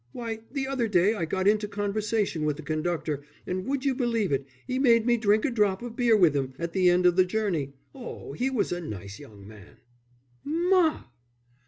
Why, the other day I got into conversation with the conductor, and would you believe it, he made me drink a drop of beer with 'im at the end of the journey. Oh, he was a nice young man!" "Ma!"